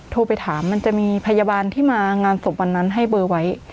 โทรไปถามมันจะมีพยาบาลที่มางานศพวันนั้นให้เบอร์ไว้